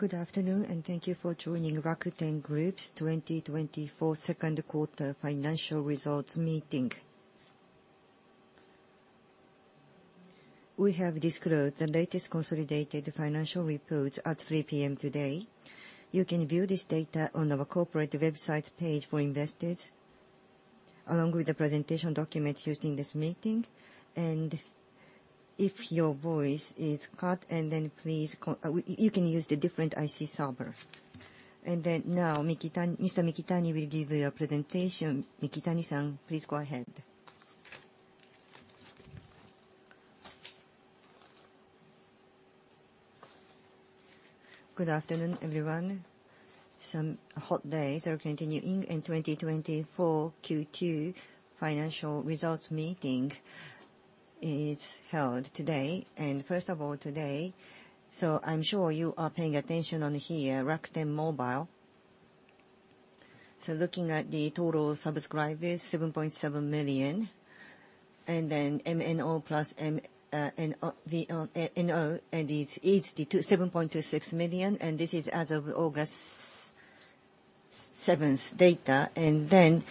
Good afternoon, and thank you for joining Rakuten Group's 2024 second quarter financial results meeting. We have disclosed the latest consolidated financial reports at 3 A.M. today. You can view this data on our corporate website's page for investors, along with the presentation documents used in this meeting. If your voice is cut, and then please, you can use the different IC software. Now, Mikitani, Mr. Mikitani will give you a presentation. Mikitani-san, please go ahead. Good afternoon, everyone. Some hot days are continuing, and 2024 Q2 financial results meeting is held today. And first of all, today, so I'm sure you are paying attention on here, Rakuten Mobile. So looking at the total subscribers, 7.7 million, and then MNO plus MVNO, and it's 7.26 million, and this is as of August 7th data. And then,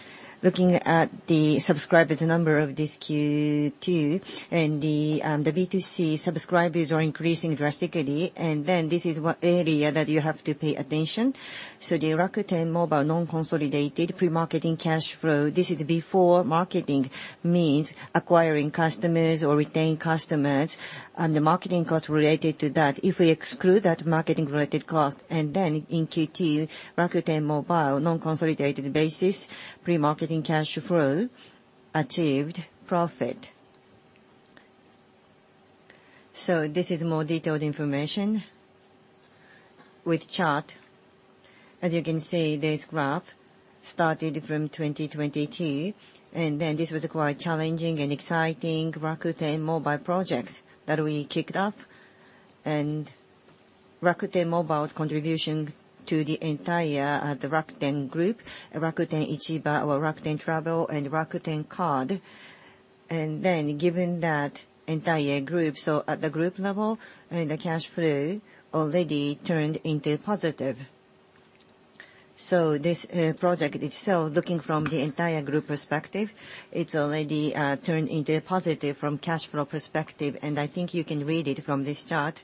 looking at the subscribers number of this Q2, and the B2C subscribers are increasing drastically, and then this is one area that you have to pay attention. So the Rakuten Mobile non-consolidated pre-marketing cash flow, this is before marketing means acquiring customers or retain customers, and the marketing costs related to that. If we exclude that marketing-related cost, and then in Q2, Rakuten Mobile non-consolidated basis, pre-marketing cash flow achieved profit. So this is more detailed information with chart. As you can see, this graph started from 2022, and then this was quite challenging and exciting Rakuten Mobile project that we kicked off. And Rakuten Mobile's contribution to the entire, the Rakuten Group, Rakuten Ichiba or Rakuten Travel and Rakuten Card. And then given that entire group, so at the group level, I mean, the cash flow already turned into positive. So this, project itself, looking from the entire group perspective, it's already, turned into a positive from cash flow perspective, and I think you can read it from this chart.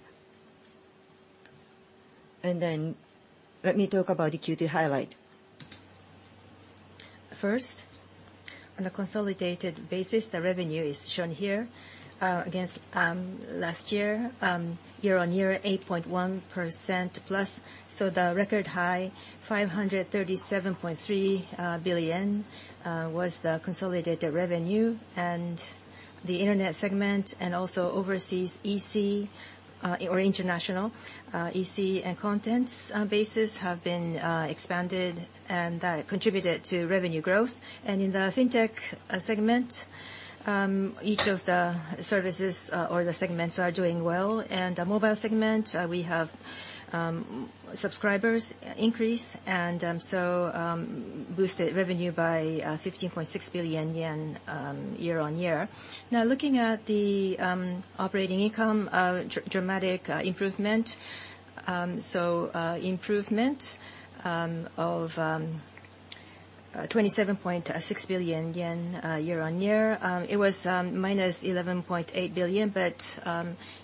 And then, let me talk about the Q2 highlight. First, on a consolidated basis, the revenue is shown here, against, last year, year-on-year, 8.1%+. So the record high, 537.3 billion, was the consolidated revenue. The internet segment and also overseas EC, or international, EC and contents basis, have been expanded and contributed to revenue growth. In the Fintech segment, each of the services or the segments are doing well. The mobile segment, we have subscribers increase, and so boosted revenue by 15.6 billion yen year-on-year. Now, looking at the operating income, dramatic improvement. So improvement of 27.6 billion yen year-on-year. It was minus 11.8 billion, but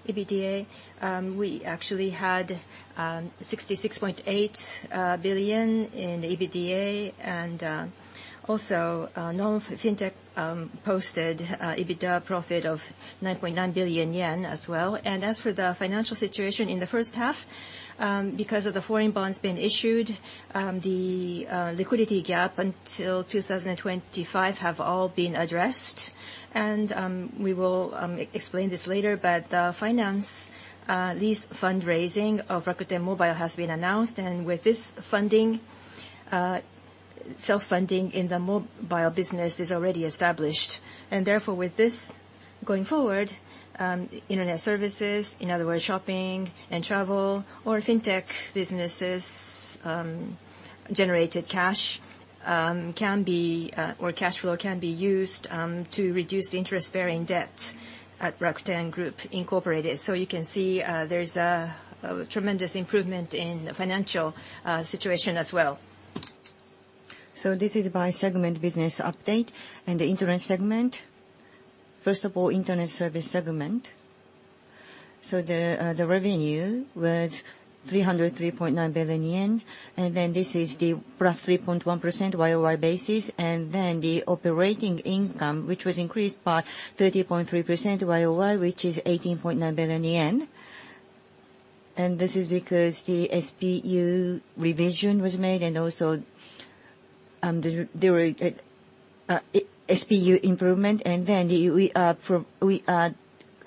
EBITDA, we actually had 66.8 billion in EBITDA. Also, Non-Fintech posted EBITDA profit of 9.9 billion yen as well. As for the financial situation in the first half, because of the foreign bonds being issued, the liquidity gap until 2025 has all been addressed. We will explain this later, but finance lease fundraising of Rakuten Mobile has been announced. With this funding, self-funding in the mobile business is already established. Therefore, with this, going forward, internet services, in other words, shopping and travel or fintech businesses, generated cash or cash flow can be used to reduce the interest-bearing debt at Rakuten Group Incorporated. So you can see, there's a tremendous improvement in the financial situation as well. So this is by segment business update and the internet segment. First of all, internet service segment. The revenue was 303.9 billion yen, and then this is the +3.1% Y-o-Y basis, and then the operating income, which was increased by 30.3% Y-o-Y, which is 18.9 billion yen. And this is because the SPU revision was made, and also, there were SPU improvements, and then we are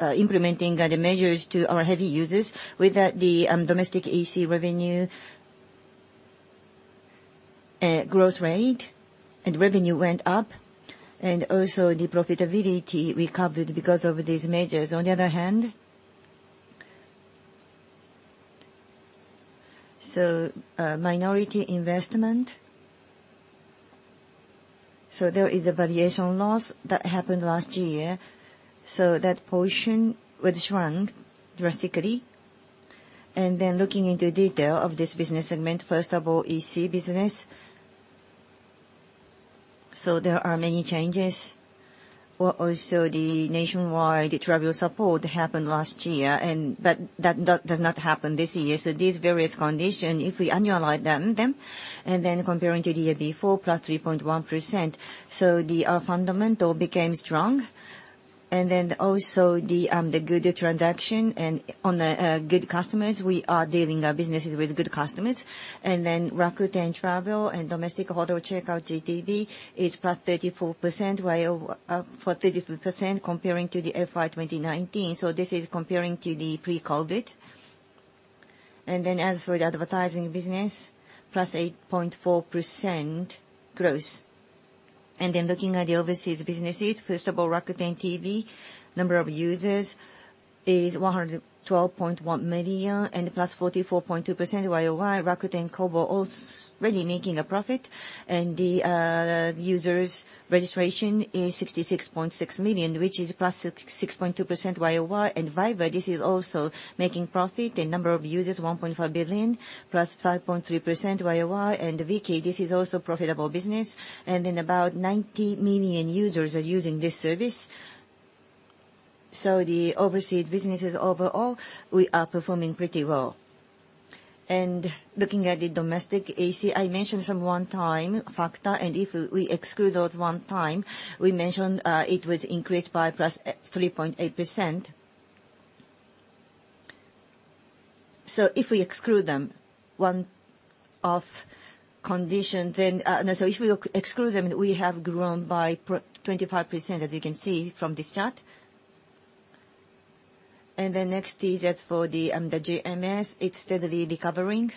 implementing the measures to our heavy users. With that, the domestic EC revenue growth rate and revenue went up, and also the profitability recovered because of these measures. On the other hand, minority investment... so there is a valuation loss that happened last year, so that portion was shrunk drastically. And then looking into detail of this business segment, first of all, EC business. So there are many changes, or also the Nationwide Travel Support happened last year, and that does not happen this year. So these various conditions, if we annualize them, and then comparing to the year before, plus 3.1%. So the fundamental became strong. And then also the good transaction and on the good customers, we are dealing our businesses with good customers. And then Rakuten Travel and domestic hotel checkout GTV is plus 34%, Y-o-Y, for 34% comparing to the FY 2019. So this is comparing to the pre-COVID. And then as for the advertising business, plus 8.4% growth. Then looking at the overseas businesses, first of all, Rakuten TV, number of users is 112.1 million, and +44.2% Y-o-Y. Rakuten Kobo also really making a profit, and the users' registration is 66.6 million, which is +6.2% Y-o-Y. And Viber, this is also making profit. The number of users, 1.5 billion, +5.3% Y-o-Y. And Viki, this is also profitable business, and then about 90 million users are using this service. So the overseas businesses overall, we are performing pretty well. And looking at the domestic EC, I mentioned some one time factor, and if we exclude those one time, we mentioned, it was increased by +3.8%. So if we exclude them, one-off condition, then we have grown by 25%, as you can see from this chart. Next, as for the GMS, it's steadily recovering.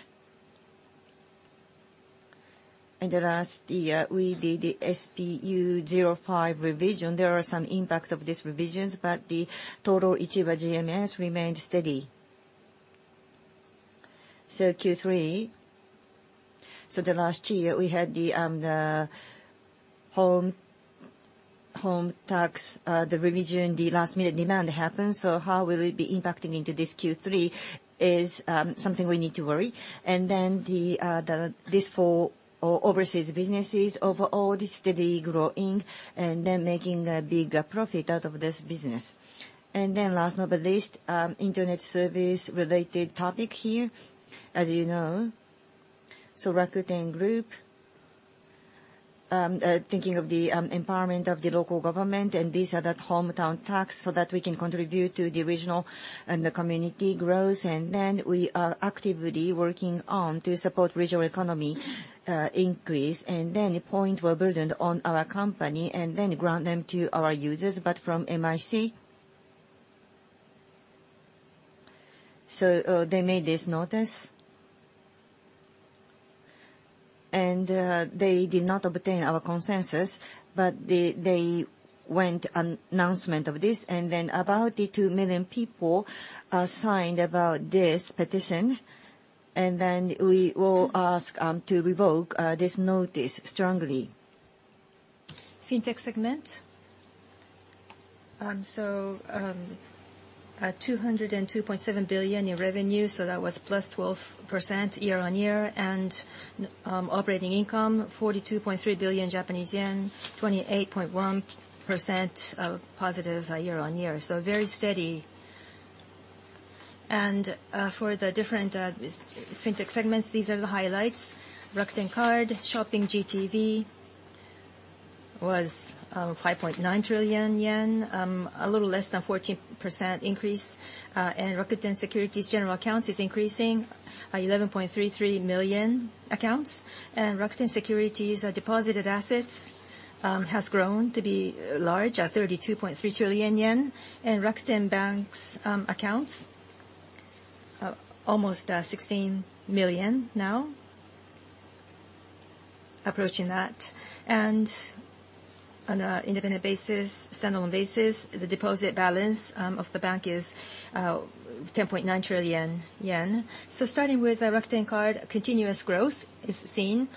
Last year, we did the SPU 0.5 revision. There are some impact of these revisions, but the total Ichiba GMS remained steady. So for Q3, last year we had the consumption tax revision, the last-minute demand happened. So how will it be impacting into this Q3 is something we need to worry. And then for overseas businesses, overall, it's steadily growing, and then making a big profit out of this business. Last but not least, internet service-related topic here. As you know, so Rakuten Group, thinking of the empowerment of the local government, and these are that hometown tax, so that we can contribute to the regional and the community growth. And then we are actively working on to support regional economy increase, and then points were burdened on our company, and then grant them to our users, but from MIC. So, they made this notice. And, they did not obtain our consensus, but they, they went an announcement of this, and then about 2 million people signed about this petition. And then we will ask to revoke this notice strongly. Fintech segment. So, 202.7 billion in revenue, so that was +12% year-on-year. Operating income, JPY 42.3 billion, 28.1% positive year-on-year, so very steady. For the different Fintech segments, these are the highlights. Rakuten Card, shopping GTV was 5.9 trillion yen, a little less than 14% increase. Rakuten Securities general accounts is increasing 11.33 million accounts. Rakuten Securities deposited assets has grown to be large, at 32.3 trillion yen. Rakuten Bank's accounts almost 16 million now, approaching that. On an independent basis, standalone basis, the deposit balance of the bank is 10.9 trillion yen. So starting with Rakuten Card, continuous growth is seen.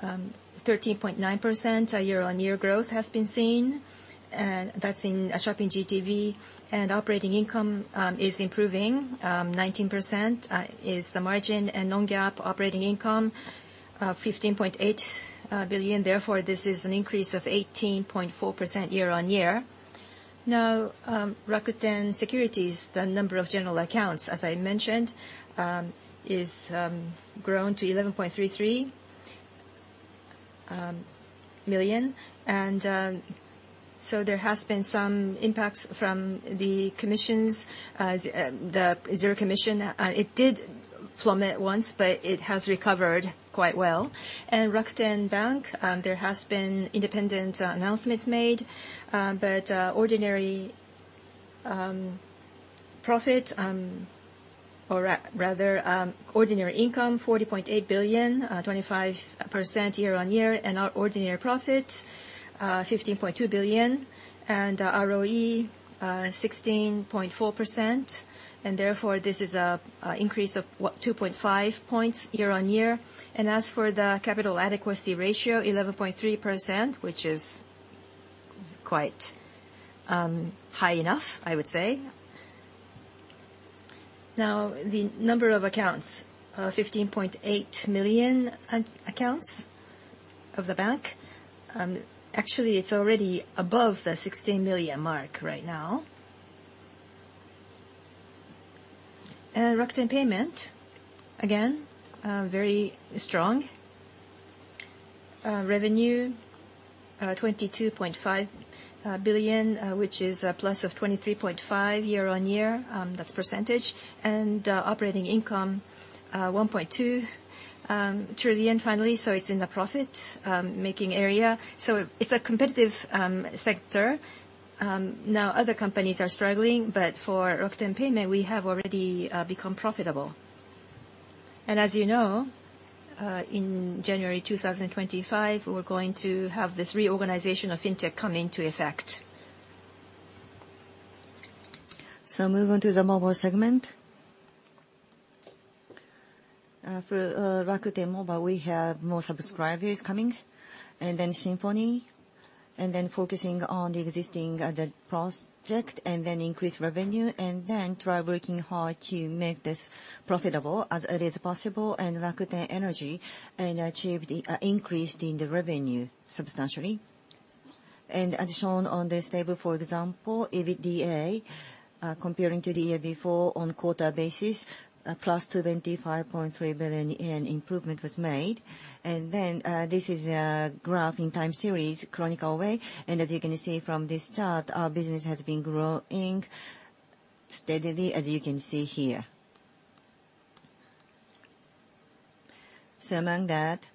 13.9% year-on-year growth has been seen, and that's in shopping GTV. Operating income is improving. 19% is the margin, and non-GAAP operating income 15.8 billion. Therefore, this is an increase of 18.4% year-on-year. Now, Rakuten Securities, the number of general accounts, as I mentioned, is grown to 11.33 million. And so there has been some impacts from the commissions, the zero commission. It did plummet once, but it has recovered quite well. And Rakuten Bank, there has been independent announcements made, but ordinary profit, or rather, ordinary income 40.8 billion, 25% year-on-year, and our ordinary profit 15.2 billion, and ROE 16.4%. Therefore, this is an increase of what? 2.5 points year-on-year. And as for the capital adequacy ratio, 11.3%, which is quite high enough, I would say. Now, the number of accounts, 15.8 million accounts of the bank. Actually, it's already above the 16 million mark right now. And Rakuten Payment, again, very strong. Revenue 22.5 billion, which is +23.5% year-on-year, that's percentage. And operating income 1.2 trillion, finally, so it's in the profit-making area. So it's a competitive sector. Now other companies are struggling, but for Rakuten Payment, we have already become profitable. And as you know, in January 2025, we're going to have this reorganization of fintech come into effect. So moving on to the mobile segment. For Rakuten Mobile, we have more subscribers coming, and then Symphony, and then focusing on the existing, the project, and then increase revenue, and then try working hard to make this profitable as early as possible, and Rakuten Energy, and achieve the increase in the revenue substantially. As shown on this table, for example, EBITDA comparing to the year before on quarter basis, +225.3 billion yen in improvement was made. Then, this is a graph in time series, chronological way, and as you can see from this chart, our business has been growing steadily, as you can see here. So among that,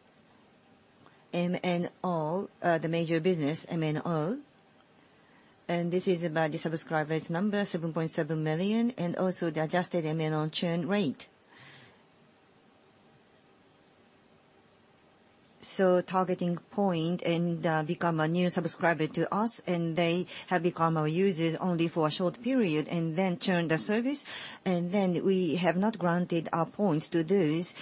MNO, the major business, MNO, and this is about the subscribers number, 7.7 million, and also the adjusted MNO churn rate. So targeting point and, become a new subscriber to us, and they have become our users only for a short period, and then churn the service, and then we have not granted our points to those,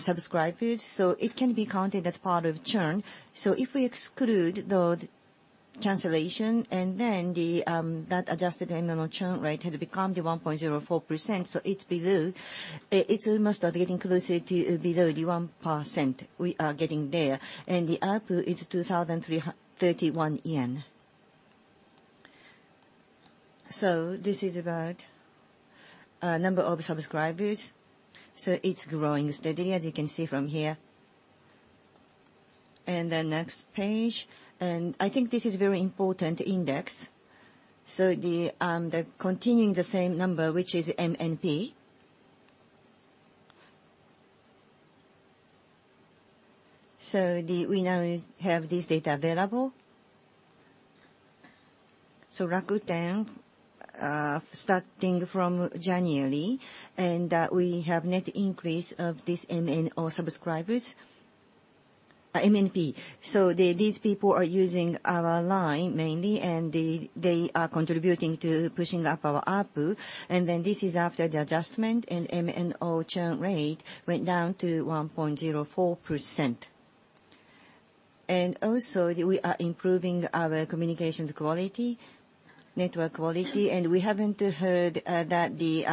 subscribers, so it can be counted as part of churn. So if we exclude the cancellation, and then the, that adjusted MNO churn rate had become the 1.04%, so it's below, it's almost getting closer to below the 1%. We are getting there. And the ARPU is 2,331 yen. So this is about, number of subscribers, so it's growing steadily, as you can see from here. And then next page, and I think this is very important index. So the, the continuing the same number, which is MNP. So the, we now have this data available. So Rakuten, starting from January, and, we have net increase of this MNO subscribers, MNP. So these people are using our line mainly, and they are contributing to pushing up our ARPU, and then this is after the adjustment, and MNO churn rate went down to 1.04%. And also, we are improving our communications quality, network quality, and we haven't heard that the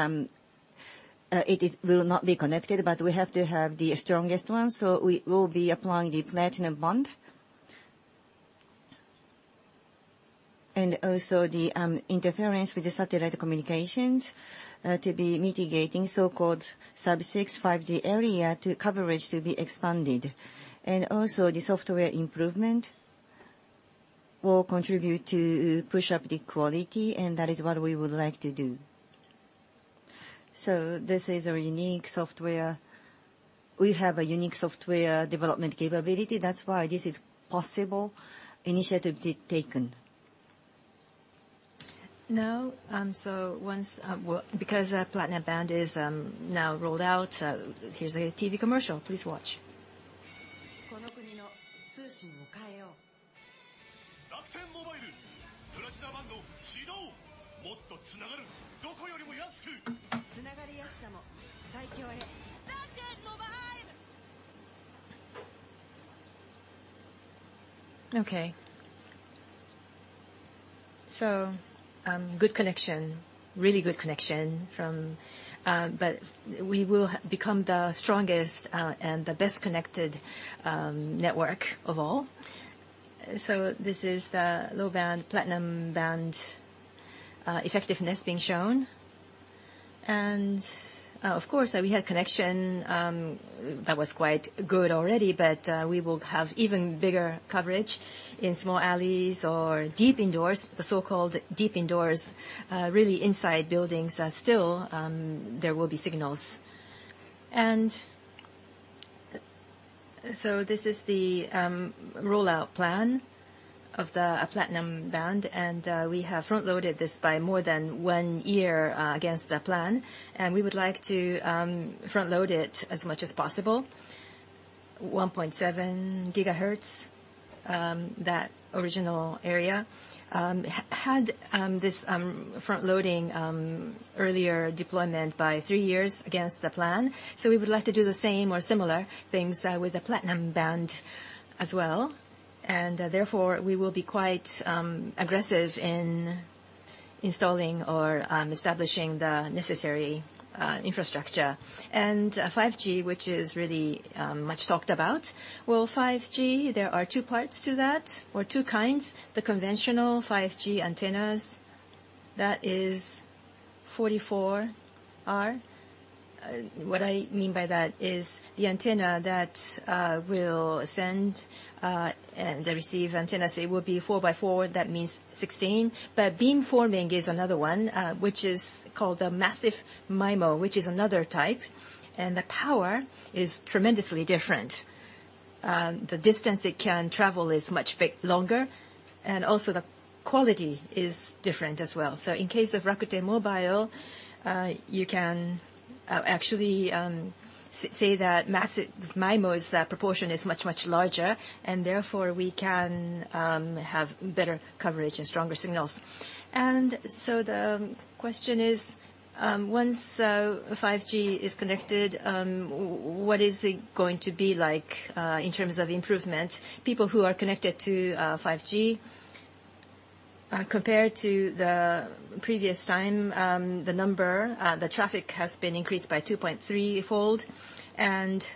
it is will not be connected, but we have to have the strongest one, so we will be applying the Platinum Band. And also, the interference with the satellite communications to be mitigating, so-called Sub-6 5G area to coverage to be expanded. And also, the software improvement will contribute to push up the quality, and that is what we would like to do. So this is a unique software. We have a unique software development capability. That's why this is possible. Initiative did taken. Now, because Platinum Band is now rolled out, here's a TV commercial. Please watch. Okay. So, good connection, really good connection from... But we will become the strongest, and the best-connected, network of all. So this is the low-band, Platinum Band, effectiveness being shown. And, of course, we had connection that was quite good already, but, we will have even bigger coverage in small alleys or deep indoors, the so-called deep indoors, really inside buildings, still, there will be signals. And so this is the, rollout plan of the, Platinum Band, and, we have front-loaded this by more than one year, against the plan, and we would like to, front-load it as much as possible. 1.7 GHz, that original area had this front-loading earlier deployment by three years against the plan. So we would like to do the same or similar things with the Platinum Band as well. Therefore, we will be quite aggressive in installing or establishing the necessary infrastructure. 5G, which is really much talked about. Well, 5G, there are two parts to that, or two kinds. The conventional 5G antennas, that is 4T4R. What I mean by that is the antenna that will send and the receive antenna, say, will be four by four, that means 16. But beamforming is another one, which is called massive MIMO, which is another type, and the power is tremendously different. The distance it can travel is much bit longer, and also the quality is different as well. So in case of Rakuten Mobile, you can actually say that Massive MIMO's proportion is much, much larger, and therefore, we can have better coverage and stronger signals. So the question is, once 5G is connected, what is it going to be like in terms of improvement? People who are connected to 5G, compared to the previous time, the traffic has been increased by 2.3-fold, and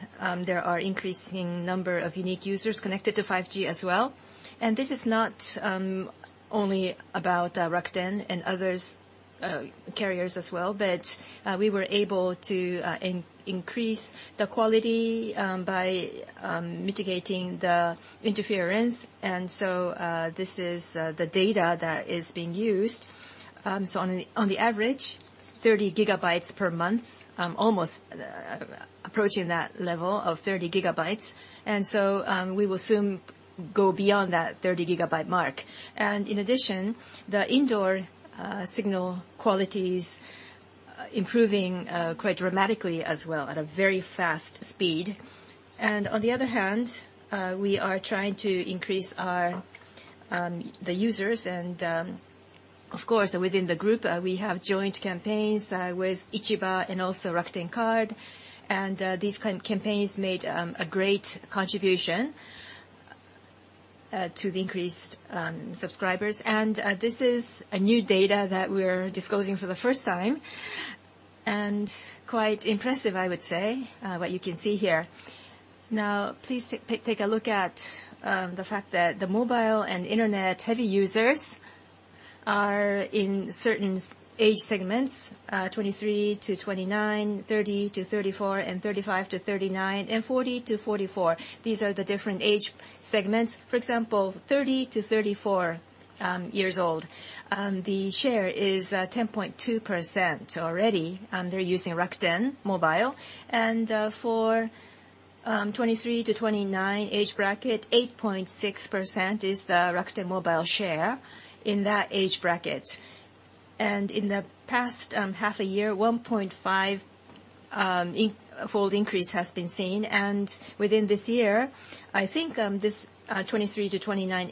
there are increasing number of unique users connected to 5G as well. And this is not only about Rakuten and other carriers as well, but we were able to increase the quality by mitigating the interference. This is the data that is being used. So on the average, 30 GB per month, almost approaching that level of 30 GB. So we will soon go beyond that 30 GB mark. In addition, the indoor signal quality is improving quite dramatically as well, at a very fast speed. On the other hand, we are trying to increase our users. Of course, within the group, we have joint campaigns with Ichiba and also Rakuten Card, and these campaigns made a great contribution to the increased subscribers. This is new data that we're disclosing for the first time, and quite impressive, I would say, what you can see here. Now, please take a look at the fact that the mobile and internet-heavy users are in certain age segments, 23-29, 30-34, and 35-39, and 40-44. These are the different age segments. For example, 30-34 years old, the share is 10.2%. Already, they're using Rakuten Mobile. And for 23-29 age bracket, 8.6% is the Rakuten Mobile share in that age bracket. And in the past half a year, 1.5-fold increase has been seen. And within this year, I think, this 23-29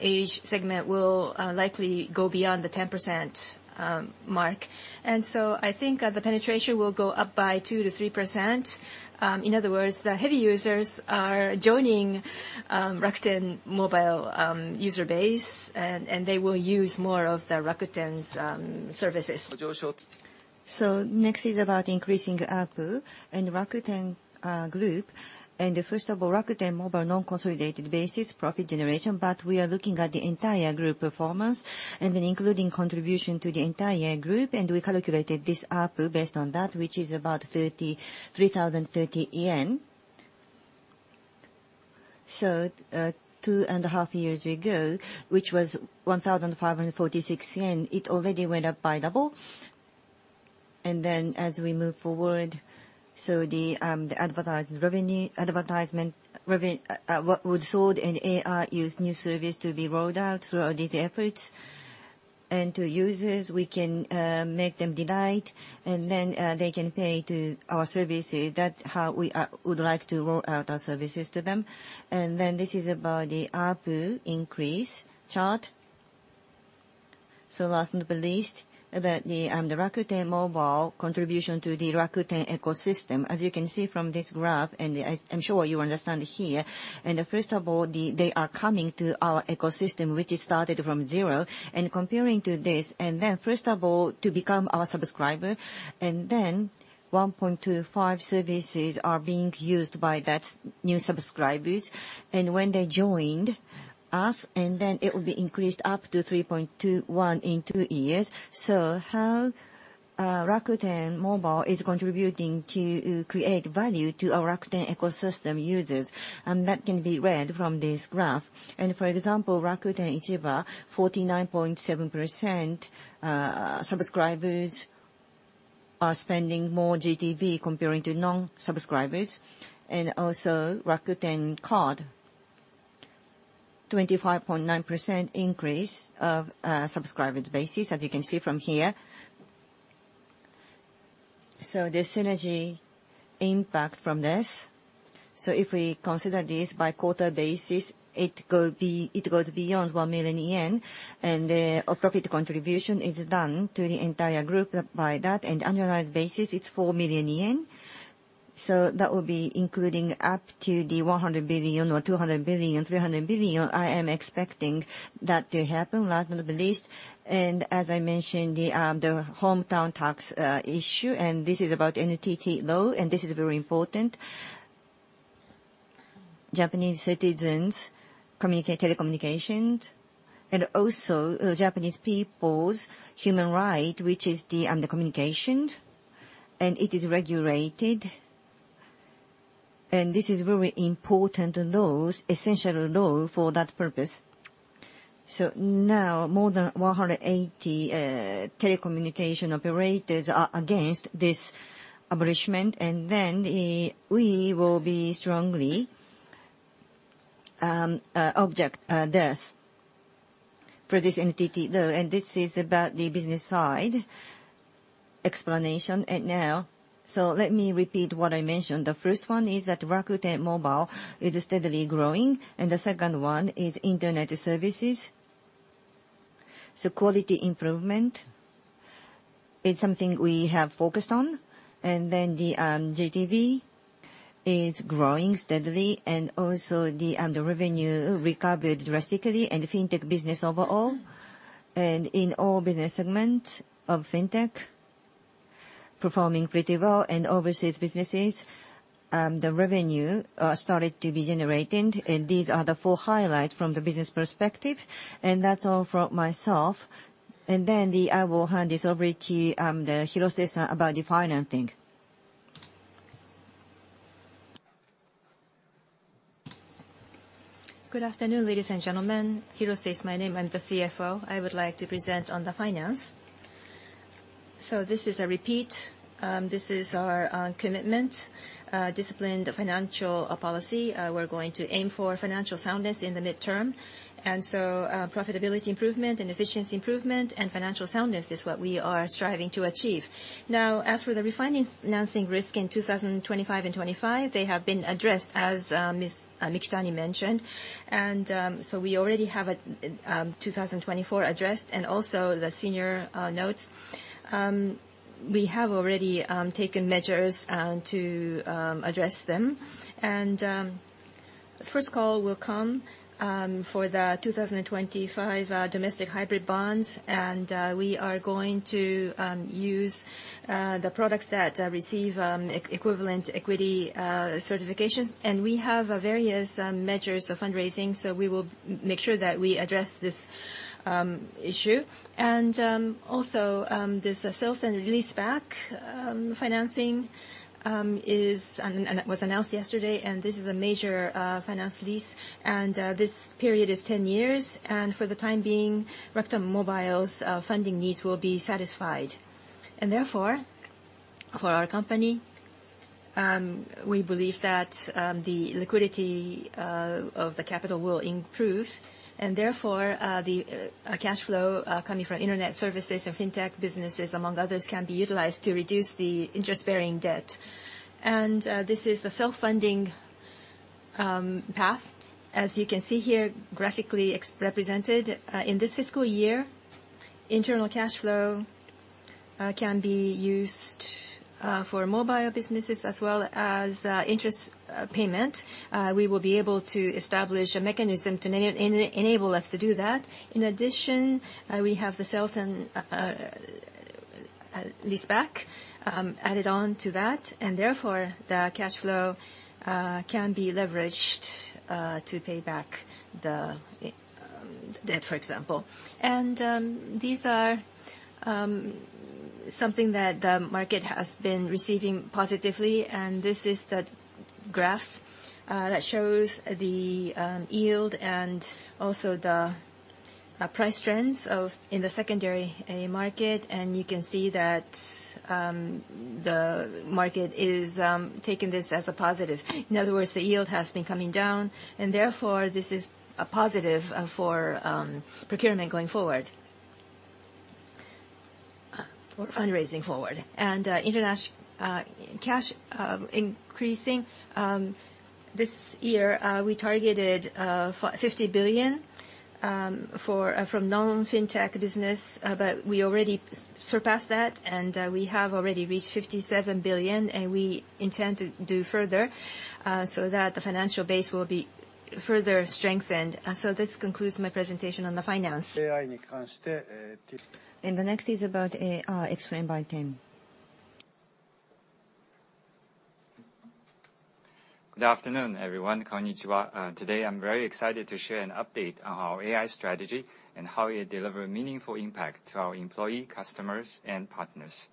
age segment will likely go beyond the 10% mark. And so I think, the penetration will go up by 2%-3%. In other words, the heavy users are joining Rakuten Mobile user base, and they will use more of the Rakuten's services. Next is about increasing ARPU and Rakuten Group. First of all, Rakuten Mobile non-consolidated basis, profit generation, but we are looking at the entire Group performance, and then including contribution to the entire Group, and we calculated this ARPU based on that, which is about 33,030 yen. Two and a half years ago, which was 1,546 yen, it already went up by double. And then, as we move forward, the advertising revenue, advertisement reve- cross-sell and AI use new service to be rolled out through all these efforts. To users, we can make them delight, and then they can pay to our services. That's how we would like to roll out our services to them. And then this is about the ARPU increase chart. So last but not least, about the Rakuten Mobile contribution to the Rakuten ecosystem. As you can see from this graph, and I, I'm sure you understand here, and first of all, they are coming to our ecosystem, which is started from zero, and comparing to this, and then, first of all, to become our subscriber, and then 1.25 services are being used by that new subscribers. And when they joined us, and then it will be increased up to 3.21 in two years. So how Rakuten Mobile is contributing to create value to our Rakuten ecosystem users, and that can be read from this graph. And for example, Rakuten Ichiba, 49.7% subscribers are spending more GTV comparing to non-subscribers, and also Rakuten Card, 25.9% increase of subscribers basis, as you can see from here. So the synergy impact from this, so if we consider this by quarter basis, it goes beyond 1,000,000 yen, and our profit contribution is done to the entire group by that, and annualized basis, it's 4,000,000 yen.... So that will be including up to the 100 billion or 200 billion, 300 billion. I am expecting that to happen, last but not least, and as I mentioned, the, the hometown tax issue, and this is about NTT Law, and this is very important. Japanese citizens communicate telecommunications and also, Japanese people's human right, which is the, the communication, and it is regulated, and this is very important laws, essential law for that purpose. So now, more than 180 telecommunication operators are against this abolishment, and then, the, we will be strongly object this for this NTT Law. And this is about the business side explanation. And now, so let me repeat what I mentioned. The first one is that Rakuten Mobile is steadily growing, and the second one is internet services. So quality improvement is something we have focused on, and then the GTV is growing steadily, and also the revenue recovered drastically, and fintech business overall, and in all business segments of fintech performing pretty well. And overseas businesses, the revenue started to be generated, and these are the four highlights from the business perspective. And that's all from myself. And then I will hand this over to the Hirose-san about the financing. Good afternoon, ladies and gentlemen. Hirose is my name. I'm the CFO. I would like to present on the finance. So this is a repeat. This is our commitment, disciplined financial policy. We're going to aim for financial soundness in the midterm. And so, profitability improvement and efficiency improvement and financial soundness is what we are striving to achieve. Now, as for the refinancing risk in 2025 and 2025, they have been addressed, as Mr. Mikitani mentioned. And, so we already have a 2024 addressed, and also the senior notes. We have already taken measures to address them. First call will come for the 2025 domestic hybrid bonds, and we are going to use the products that receive equity-equivalent certifications. And we have various measures of fundraising, so we will make sure that we address this issue. And also, this sales and lease back financing is, and was announced yesterday, and this is a major finance lease. And this period is 10 years, and for the time being, Rakuten Mobile's funding needs will be satisfied. And therefore, for our company, we believe that the liquidity of the capital will improve, and therefore, the cash flow coming from internet services and fintech businesses, among others, can be utilized to reduce the interest-bearing debt. This is the self-funding path. As you can see here, graphically represented in this fiscal year, internal cash flow can be used for mobile businesses as well as interest payment. We will be able to establish a mechanism to enable us to do that. In addition, we have the sales and lease back added on to that, and therefore, the cash flow can be leveraged to pay back the debt, for example. These are something that the market has been receiving positively, and this is the graphs that shows the yield and also the price trends of in the secondary market. You can see that the market is taking this as a positive. In other words, the yield has been coming down, and therefore, this is a positive for procurement going forward. Or fundraising forward. And international cash increasing this year, we targeted 50 billion from non-fintech business, but we already surpassed that, and we have already reached 57 billion, and we intend to do further so that the financial base will be further strengthened. So this concludes my presentation on the finance. The next is about, explained by Ting. Good afternoon, everyone. Konnichiwa. Today, I'm very excited to share an update on our AI strategy and how it deliver meaningful impact to our employee, customers, and partners.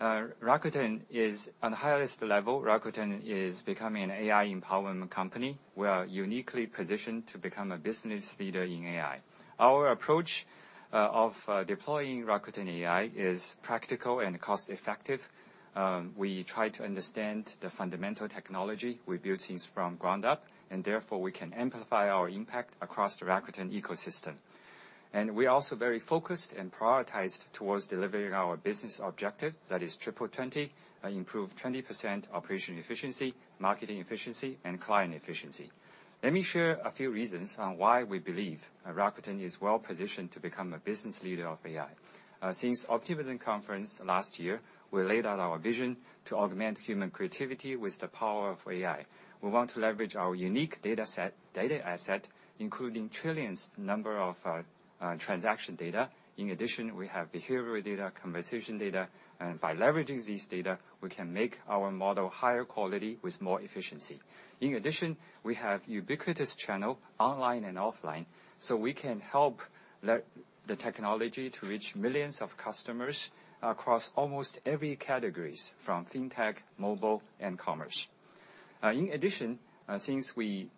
Rakuten is... On the highest level, Rakuten is becoming an AI empowerment company. We are uniquely positioned to become a business leader in AI. Our approach of deploying Rakuten AI is practical and cost-effective. We try to understand the fundamental technology. We build things from ground up, and therefore, we can amplify our impact across the Rakuten ecosystem. And we are also very focused and prioritized towards delivering our business objective, that is Triple 20, and improve 20% operation efficiency, marketing efficiency, and client efficiency. Let me share a few reasons on why we believe Rakuten is well-positioned to become a business leader of AI. Since Optimism Conference last year, we laid out our vision to augment human creativity with the power of AI. We want to leverage our unique dataset, data asset, including trillions number of transaction data. In addition, we have behavioral data, conversation data, and by leveraging this data, we can make our model higher quality with more efficiency. In addition, we have ubiquitous channel, online and offline, so we can help let the technology to reach millions of customers across almost every categories, from fintech, mobile, and commerce. In addition, since we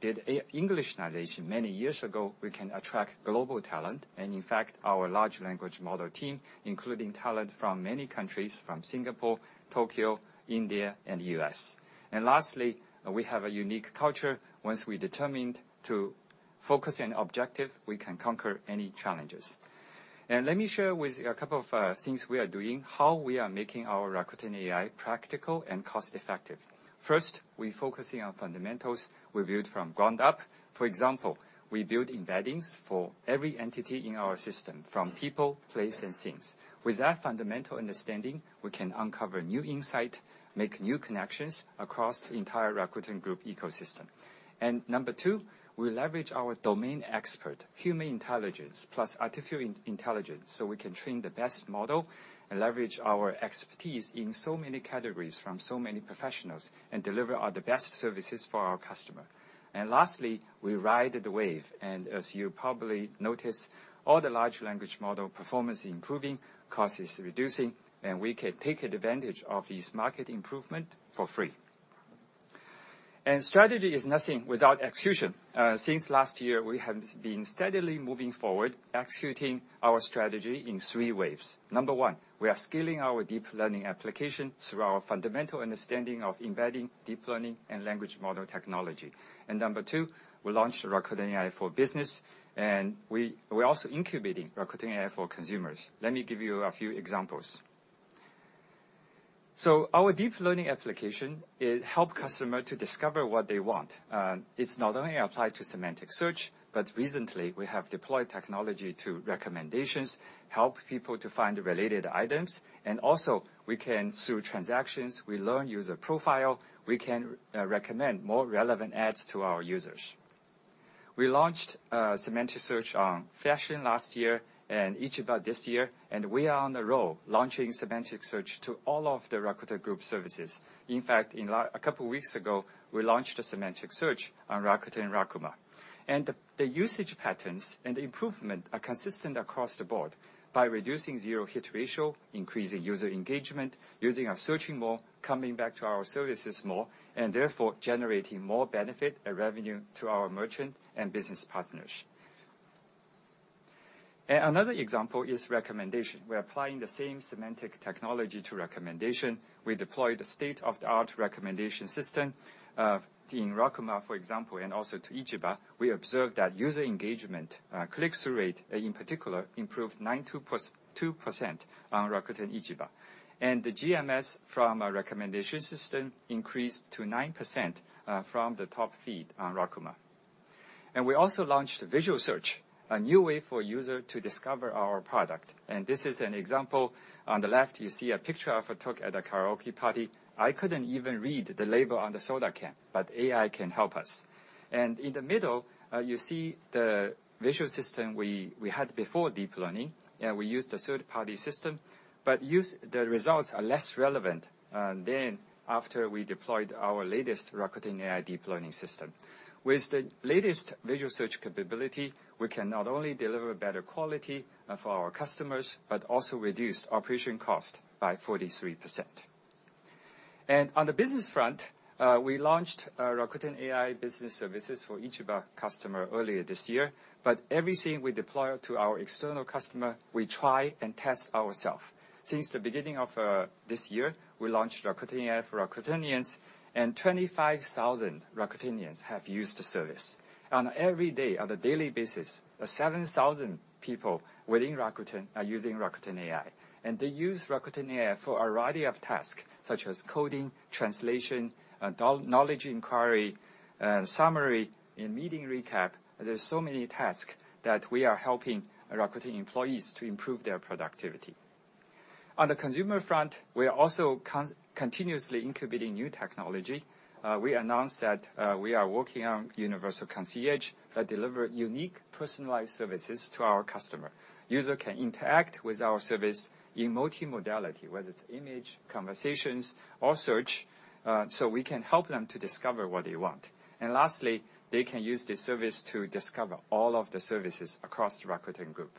did Englishnization many years ago, we can attract global talent, and in fact, our large language model team, including talent from many countries, from Singapore, Tokyo, India, and the U.S. And lastly, we have a unique culture. Once we determined to focus on objective, we can conquer any challenges. Let me share with you a couple of things we are doing, how we are making our Rakuten AI practical and cost-effective. First, we focusing on fundamentals we built from ground up. For example, we build embeddings for every entity in our system, from people, place, and things. With that fundamental understanding, we can uncover new insight, make new connections across the entire Rakuten Group ecosystem. And number two, we leverage our domain expert, human intelligence plus artificial in- intelligence, so we can train the best model and leverage our expertise in so many categories from so many professionals, and deliver the best services for our customer. And lastly, we ride the wave. And as you probably notice, all the large language model performance improving, cost is reducing, and we can take advantage of this market improvement for free. And strategy is nothing without execution. Since last year, we have been steadily moving forward, executing our strategy in three waves. Number one, we are scaling our deep learning application through our fundamental understanding of embedding, deep learning, and language model technology. And number two, we launched Rakuten AI for Business, and we, we're also incubating Rakuten AI for Consumers. Let me give you a few examples. So our deep learning application, it help customer to discover what they want. It's not only applied to semantic search, but recently, we have deployed technology to recommendations, help people to find the related items, and also we can, through transactions, we learn user profile, we can, recommend more relevant ads to our users. We launched, semantic search on fashion last year and Ichiba this year, and we are on a roll, launching semantic search to all of the Rakuten Group services. In fact, in a couple weeks ago, we launched a semantic search on Rakuten and Rakuma. The usage patterns and the improvement are consistent across the board by reducing zero-hit ratio, increasing user engagement, using our searching more, coming back to our services more, and therefore generating more benefit and revenue to our merchant and business partners. Another example is recommendation. We're applying the same semantic technology to recommendation. We deployed a state-of-the-art recommendation system in Rakuma, for example, and also to Ichiba. We observed that user engagement, click-through rate, in particular, improved 2% on Rakuten Ichiba. The GMS from our recommendation system increased to 9%, from the top feed on Rakuma. We also launched Visual Search, a new way for user to discover our product. This is an example. On the left, you see a picture of a tool at a karaoke party. I couldn't even read the label on the soda can, but AI can help us. In the middle, you see the visual system we had before deep learning, and we used a third-party system, but the results are less relevant than after we deployed our latest Rakuten AI deep learning system. With the latest visual search capability, we can not only deliver better quality for our customers, but also reduce operation cost by 43%. On the business front, we launched Rakuten AI business services for each of our customers earlier this year, but everything we deploy to our external customers, we try and test ourselves. Since the beginning of this year, we launched Rakuten AI for Rakutenians, and 25,000 Rakutenians have used the service. On every day, on a daily basis, 7,000 people within Rakuten are using Rakuten AI. And they use Rakuten AI for a variety of tasks, such as coding, translation, domain knowledge inquiry, summary, and meeting recap. There are so many task that we are helping Rakuten employees to improve their productivity. On the consumer front, we are also continuously incubating new technology. We announced that, we are working on Universal Concierge that deliver unique, personalized services to our customer. User can interact with our service in multimodality, whether it's image, conversations or search, so we can help them to discover what they want. And lastly, they can use this service to discover all of the services across the Rakuten Group.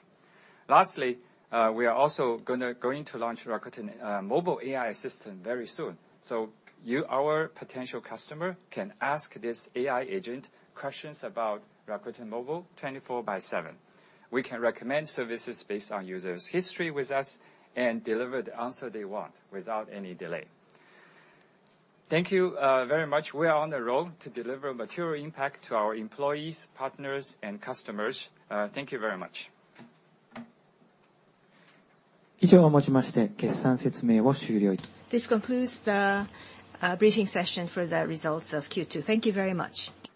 Lastly, we are also going to launch Rakuten Mobile AI Assistant very soon, so you, our potential customer, can ask this AI agent questions about Rakuten Mobile 24/7. We can recommend services based on user's history with us and deliver the answer they want without any delay. Thank you very much. We are on the road to deliver material impact to our employees, partners, and customers. Thank you very much. This concludes the briefing session for the results of Q2. Thank you very much.